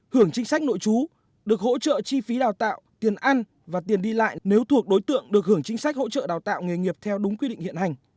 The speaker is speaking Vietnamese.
hưởng chính sách nội trú được hỗ trợ chi phí đào tạo tiền ăn và tiền đi lại nếu thuộc đối tượng được hưởng chính sách hỗ trợ đào tạo nghề nghiệp theo đúng quy định hiện hành